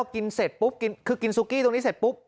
กินเสร็จปุ๊บกินคือกินซุกี้ตรงนี้เสร็จปุ๊บ